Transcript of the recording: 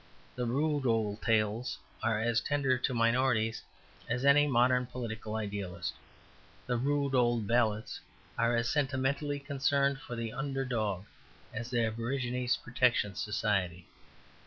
The rude old tales are as tender to minorities as any modern political idealist. The rude old ballads are as sentimentally concerned for the under dog as the Aborigines Protection Society.